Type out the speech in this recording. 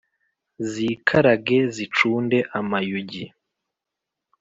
zikarage zicunde amayugi